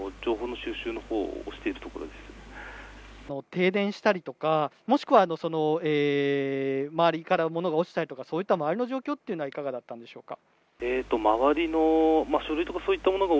停電したりとか、もしくは周りから物が落ちたりとか、そういった周りの状況っていうのはいかがだったんでしょうか。